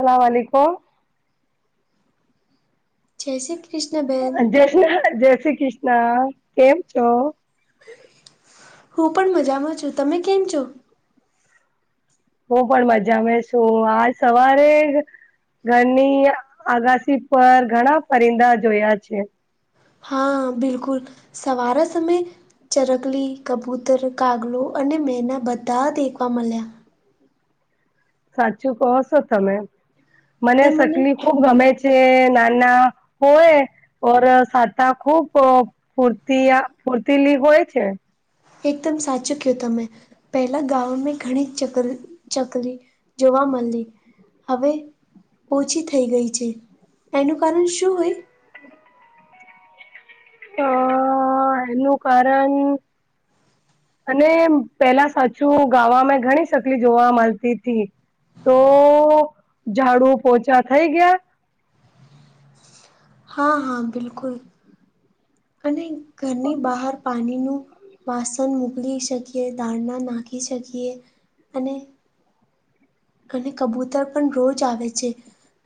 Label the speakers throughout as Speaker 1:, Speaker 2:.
Speaker 1: અલાલેકુમ.
Speaker 2: જય શ્રી કૃષ્ણબેન.
Speaker 1: જય શ્રી કૃષ્ણ. કેમ છો?
Speaker 2: હું પણ મજામાં છું. તમે કેમ છો?
Speaker 1: હું પણ મજા મે શું આજ સવારે ઘરની આગાસી પર ઘણા પરિંદા જોયા છે.
Speaker 2: હા બિલકુલ સવારા સમય ચરકલી, કબૂતર, કાગલો અને મેના બધા દેખવા મળ્યા.
Speaker 1: સાચું કહો છો તમે મને શકલી ખુબ ગમે છે. નાના હોય ઓર સાતા ખુબ ફૂતી ફૂર્તીલી હોય છે.
Speaker 2: એકદમ સાચું કીધું તમે. પહેલા ગામને ઘણી ચક ચકલી જોવા મળી હવે ઓછી થઈ ગઈ છે. એનું કારણ શું હોય?
Speaker 1: અ એનું કારણ અને પેલા સાચું ગાવામાં ઘણી સકલી જોવા મળતી હતીથી. તો ઝાડુ પોચા થઈ ગયા
Speaker 2: હા હા બિલકુલ અને ઘરની બહાર પાણીનું વાસણ મોકલી શકીએ, દાળના નાખી શકીએ અને અને કબૂતર પણ રોજ આવે છે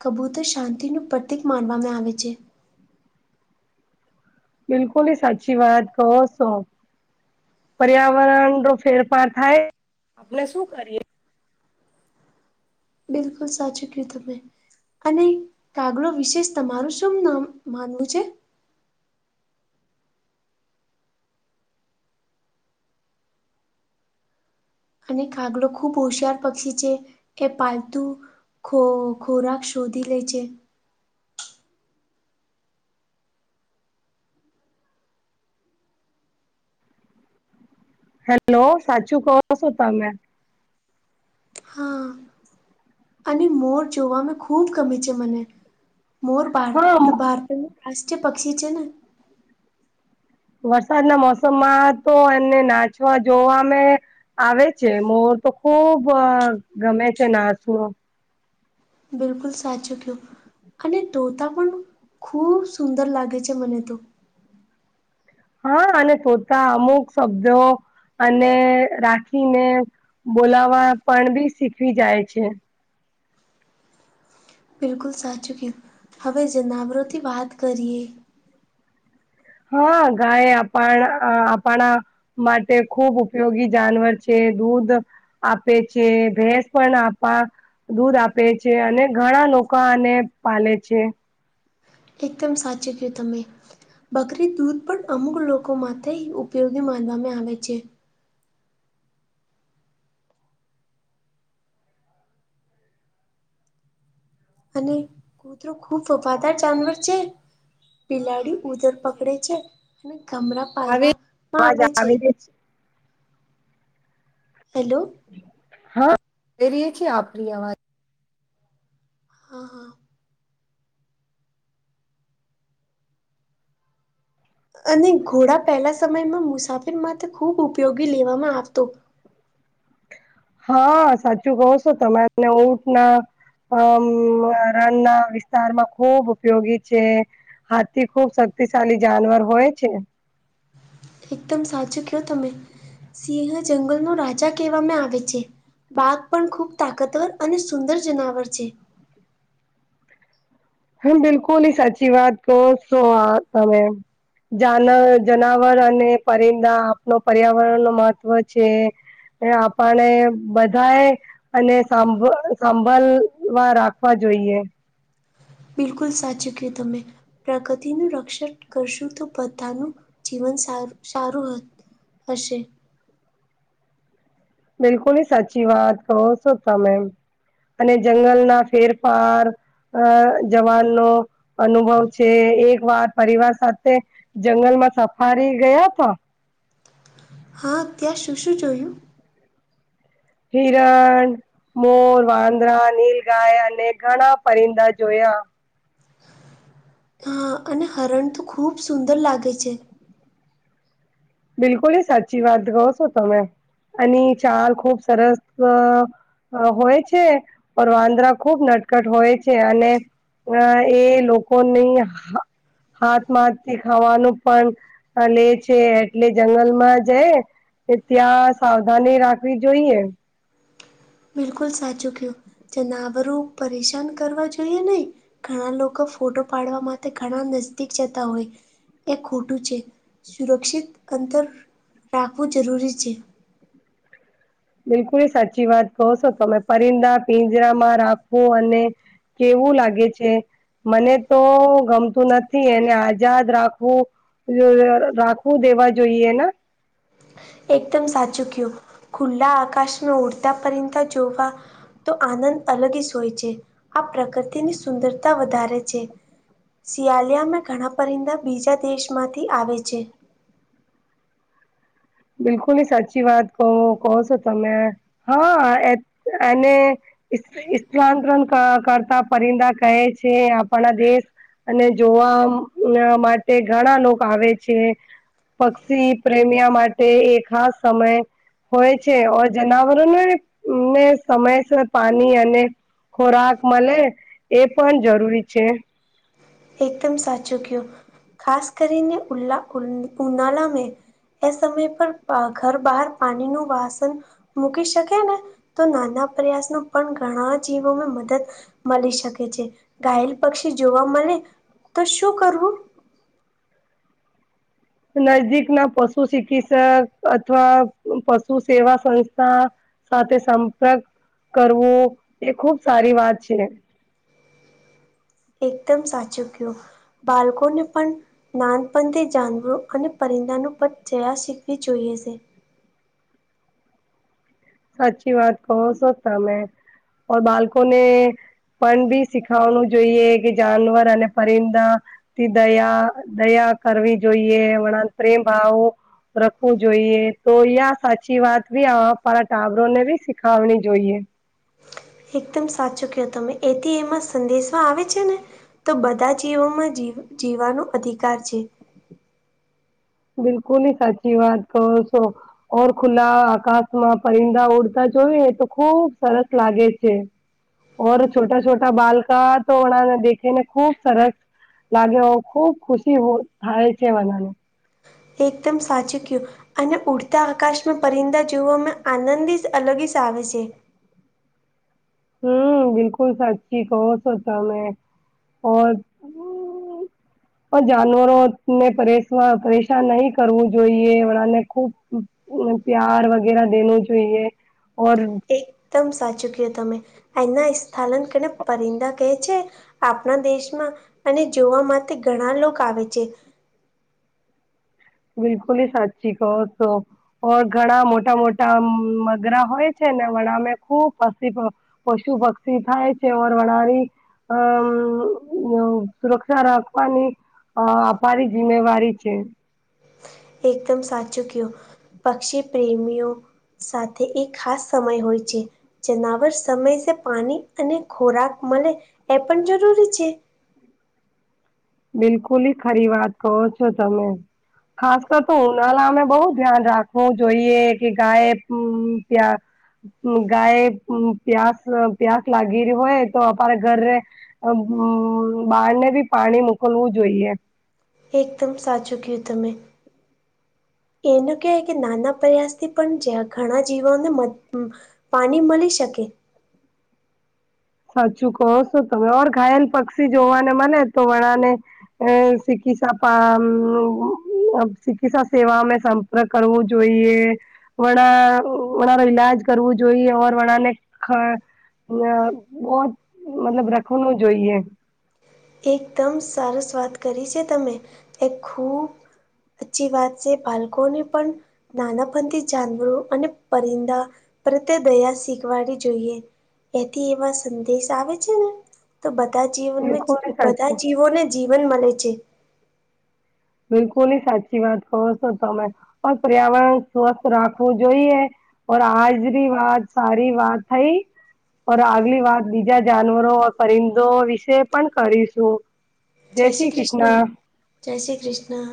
Speaker 2: કબૂતર શાંતિનું પ્રતિક માનવામાં આવે છે.
Speaker 1: બિલકુલ હ સાચી વાત કહો છો. પર્યાવરણ નો ફેરફાર થાય આપને શું કરીએ.
Speaker 2: બિલકુલ સાચું ક તમે. અને કાગલો વિશેષ તમારું શું નામ માનવું છે? અને કાગડો ખૂબ હોશિયાર પક્ષી છે એ પાલતુ ખો ખોરાક શોધી લે છે.
Speaker 1: હેલો સાચું કહો છો તમે.
Speaker 2: હા. અને મોર જોવાવામાં ખૂબ ગમે છે મને મોર ભાર
Speaker 1: હા
Speaker 2: ભારતમાં રાષ્ટ્રીય પક્ષી છે ન.
Speaker 1: વરસાદના મોસમમાં તો એમને નાચવા જોવામે આવે છે મોર તો ખુબ ગમે છે નાનું
Speaker 2: બિલકુલ સાચુંક્યો. અને તોતા પણ ખૂબ સુંદર લાગે છે મને તો.
Speaker 1: હા અને તોતા અમુક શબ્દો અને રાખીને બોલાવા પણ બી શીખવી જાય છે.
Speaker 2: બિલકુલ સાચું કીધું હવે જનાવરોથી વાત કરીએ.
Speaker 1: હા ગાય આપણ આપણા માટે ખૂબ ઉપયોગી જાનવર છે દૂધ આપે છે ભેસ પણ આપા દૂધ આપે છે અને ઘણા લોકો આને પાલે છે.
Speaker 2: એકદમ સાચું કીધું તમે. બકરી દૂધ પણ અમુક લોકો માટે ઉપયોગી માનવામાં આવે છે. અને કૂતરો ખુબ વફાદાર જાનવર છે બિલાડી
Speaker 1: હા આવે
Speaker 2: ઉધર
Speaker 1: રહીએ
Speaker 2: પકડે છે અને ગામરા પાલવાવામાં આવે છે હેલો [inaudible]
Speaker 1: હા રએ છીએ આપરી અ
Speaker 2: હા હા અને ઘોડા પહેલા સમયમાં મુસાફિર માટે ખૂબ ઉપયોગી લેવામાં આવતો
Speaker 1: હા સાચું કહો છો તમાને ઉઊટ ના અ રનના વિસ્તારમાં ખૂબ ઉપયોગી છે હાથી ખુબ શક્તિશાળલી જાનવર હોય છે
Speaker 2: એકદમ સાચું કયો તમે સિંહ જંગલ ન રાજા કહેવામાં આવે છે બાગ પણ ખૂબ તાકતવર અને સુંદર જનાવર છે
Speaker 1: હમ બિલકુલ એ સાચી વાત કો સો તમે જાન જનાવર અને પરિંદા આપનો પર્યાવરણ ન મહત્વ છે એ આપણે બધા એ અને સાંભ સાંભળવા રાખવા જોઈએ
Speaker 2: બિલકુલ સાચું કય તમે પ્રગતિનું રક્ષણ કરશું તો બધાનું જીવન સારું સારું હત હશે [inaudible]
Speaker 1: બિલકુલ સાચી વાત કહો છો તમે અને જંગલના ફેરફાર અ જવાનનો અનુભવ છે એક વાર પરિવાર સાથે જંગલમાં સફારી ગયા હતા
Speaker 2: હા ત્યાં શું શું જોયું
Speaker 1: હિરણ મોર વાંદરા નીલ ગાય અને ઘણા પરિંદા જોયા
Speaker 2: હા અને હરણ તો ખૂબ સુંદર લાગે છે.
Speaker 1: બિલકુલ સાચી વાત કહો છો તમે અને ચાર ખૂબ સરસ હોય છે પર વાંદરા ખુબ નટકટ હોય છે અને અ એ લોકોની હાથમાંથ થી ખાવાનું પણ લે છે એટલે જંગલમાં જાય ત્યાં સાવધાની રાખવી જોઈએ.
Speaker 2: બિલકુલ સાચું કહું જે નાવરું પરેશાન કરવા જોઈએ નહીં. ઘણા લોકો ફોટો પાડવા માટે ઘણા નજદીક જતા હોય. એ ખોટું છે સુરક્ષિત અંતર રાખવું જરૂરી છે.
Speaker 1: બિલકુલ એ સાચી વાત કહો છો તમે પરિંદા પિંજરામાં રાખું અને કેવું લાગે છે મને તો ગમતું નથી એને આઝાદ રાખવું રાખવું દેવા જોઈએ ને
Speaker 2: એકદમ સાચું કય્યું ખુલ્લા આકાશમાં ઉડતા પરિતા જોવા તો આનંદ અલગ સ હોય છે આ પ્રકૃતિની સુંદરતા વધારે છે. શિયાલિયામાં ઘણા પરિંદા બીજા દેશમાંથી આવે છે.
Speaker 1: બિલકુલ ની સાચી વાત કો કહો છો તમે હા અનેને સ્થાંતરણ કરતા પરિંદા કહે છે આપણા દેશ અને જોવા માટે ઘણા લોકો આવે છે પક્ષી પ્રેમિયા માટે એક ખાસ સમય હોય છે જનાવરોનેને સમયસર પાણી અને ખોરાક મળે એ પણ જરૂરી છે.
Speaker 2: એકદમ સાચું કયું ખાસ કરીને ઉલ્લા ઉનાલા મે એ સમય પર ઘર બહાર પાણી નું વાસન મૂકી શકે ને તો નાના પ્રયાસનો પણ ઘણા જીવોમાં મદદ મળી શકે છે ઘાયલ પક્ષી જોવા મળે તો શું કરવું
Speaker 1: નજદીક ના પશુ ચિકિત્સક અથવા પશુ સેવા સંસ્થા સાથે સંપર્ક કરવો એ ખુબ સારી વાત છે.
Speaker 2: એકદમ સાચું ગયું બાળકોને પણ નાનપણથી જાનવરો અને પરિંદાનું પણ જયા શીખવી જોઈએ છે.
Speaker 1: સાચી વાત કહો સોચતા મે બળકોને પણ બી શીખવાનું જોઈએ કે જાનવર અને પરિંદા થી દયા દયા કરવી જોઈએ વણા પ્રેમ ભાવ રખવું જોઈએ તો સાચી વાતી પ ચાવરો ને બી શીખાવણી જોઈએ.
Speaker 2: એકદમ સાચું કહો તમે એથી એમાં સંદેશમાં આવે છે ને તો બધા જીવોમાં જી જીવવાનો અધિકાર છે.
Speaker 1: બિલકુલ સાચી વાત કહો છો ઓર ખુલ્લા આકાશમાં પરિંદા ઉડતા જોઈએ તો ખુબ સરસ લાગે છે. ઓઔ છોટા છોટા બાલકા તો વડા દેખે ને ખૂબ સરસ લાગે ખુબ ખુશી થાય છે બધાને
Speaker 2: એકદમ સાચું કયું અને ઉડતા આકાશમાં પરિંદા જોવામાં આનંદ અલગ આવે છે.
Speaker 1: હમ બિલકુલ સાચચી કહ સોતા મે
Speaker 2: [inaudible]
Speaker 1: પણ જાનવરોને પરેશ પરેશાન નહી કરવું જોઈએ વળને ખુબ પ્યાર વગેરા દેને જોઈએ
Speaker 2: એકદમ સાચું ક તમે એના સ્થાનન કેને પરિંદા કહે છે. આપણા દેશમાં અને જોવા માટે ઘણા લોકો આવે છે.
Speaker 1: બિલકુલ હ સાચી કહો છો ઓ ઘણા મોટા મોટા મગરા હોય છે ને વણામે ખુબ ફસી પશુ પક્ષી થાય છે ઓર વળરી અ સુરક્ષા રાખવાની અ અરી જિ્મેવારી છે
Speaker 2: એકદમ સાચું કયો પક્ષી પ્રેમીઓ સાથે એ ખાસ સમય હોય છે જનાવર સમયસે પાણી અને ખોરાક મળે એ પણ જરૂરી છે
Speaker 1: બિલકુલ ખરી વાત કહો છો તમે ખાસ કર તો ઉનાળા અમે બહુ ધ્યાન રાખવું જોઈએ કે ગાય્યા ગાય પ્યાસ પ્યાસ લાગી રહ હોય તો અ ઘર બહારને બી પાણી મોકલવું જોઈએ
Speaker 2: એકદમ સાચું કયું તમે એનું કહેવાય કે નાના પ્રયાસથી પણ ઘણા જીવાને મ પાણી મળી શકે
Speaker 1: સાચું કહો છો તમે ઓર ઘાયલ પક્ષી જોવાને મને તો વણાને અ ચિકિત્સા પા ચિકિત્સા સેવા અમે કરવું જોઈએ વણા વણા ન ઈલાજ કરવું જોઈએ ઓર વણા ને બહ જ મતલબ રખવાનું જોઈએ
Speaker 2: એકદમ સારો સ્વાદ કરી છે તમે એ ખૂબ અચ્છી વાત છે બાળકોને પણ નાનાપથી જાનવરો અને પરિંદા પ્રત્યે દયા શીખવાવી જોઈએ એથી એવા સંદેશ આવે છે ને તો બધા જીવનમાં
Speaker 1: બિલકુલ
Speaker 2: બધા
Speaker 1: સાચી
Speaker 2: જીવોને જીવન મળે છે
Speaker 1: બિલકુલ ની સાચી વાત કહો છો તમે પણ પર્યાવરણ સ્વસ્થ રાખવું જોઈએ ઓ આજની વાત સારી વાત થઈ આગલી વાત બીજા જાનવરો પરિંદો વિશે પણ કરીશું
Speaker 2: જય શ્રી કૃષ્ણ જય શ્રી કૃષ્ણ